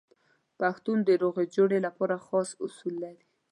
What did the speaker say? پښتون د روغې جوړې لپاره خاص اصول لري.